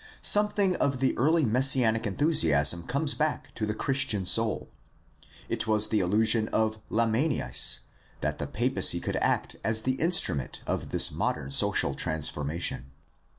Some thing of the early messianic enthusiasm comes back to the Christian soul. It was the illusion of Lammenais that the papacy could act as the instrument of this modern social transformation.